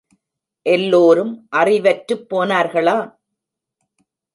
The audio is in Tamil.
எல்லோரும் அறிவற்றுப் போனார்களா?